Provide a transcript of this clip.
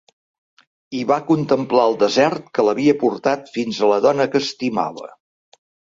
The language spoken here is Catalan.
I va contemplar el desert que l'havia portat fins a la dona que estimava.